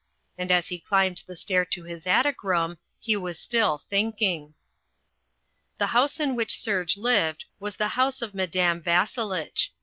As he climbed the stair to his attic room he was still thinking. The house in which Serge lived was the house of Madame Vasselitch.